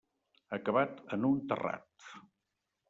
Acabat en un terrat.